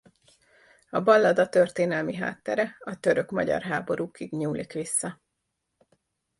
A ballada történelmi háttere a török-magyar háborúkig nyúlik vissza.